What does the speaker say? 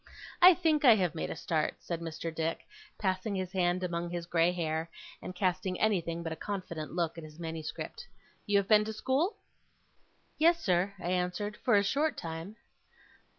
I think I have made a start,' said Mr. Dick, passing his hand among his grey hair, and casting anything but a confident look at his manuscript. 'You have been to school?' 'Yes, sir,' I answered; 'for a short time.